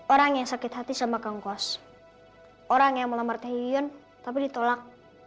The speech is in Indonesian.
orang yang sakit hati sama kang kwas orang yang melamar tae hyun tapi ditolak